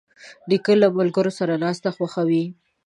نیکه له ملګرو سره ناستې خوښوي.